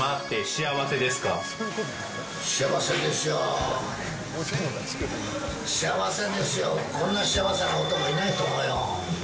幸せですよ、こんな幸せな男いないと思うよ。